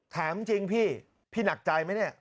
ถามจริงพี่พี่หนักใจไหมเนี่ย